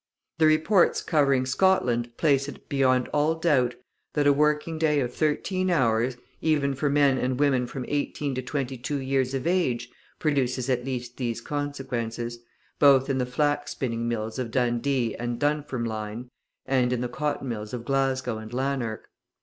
The reports covering Scotland place it beyond all doubt, that a working day of thirteen hours, even for men and women from eighteen to twenty two years of age, produces at least these consequences, both in the flax spinning mills of Dundee and Dunfermline, and in the cotton mills of Glasgow and Lanark.